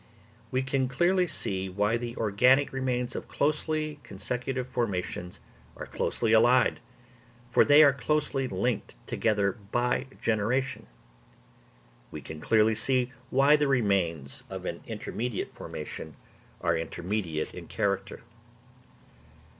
We can clearly see why the organic remains of closely consecutive formations are closely allied; for they are closely linked together by generation. We can clearly see why the remains of an intermediate formation are intermediate in character.